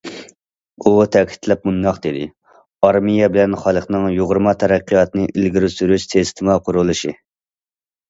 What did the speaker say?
ئۇ تەكىتلەپ مۇنداق دېدى: ئارمىيە بىلەن خەلقنىڭ يۇغۇرما تەرەققىياتىنى ئىلگىرى سۈرۈش سىستېما قۇرۇلۇشى.